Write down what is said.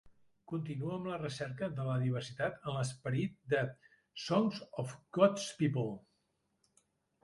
Continua amb la recerca de la diversitat en l'esperit de "Songs of God's People".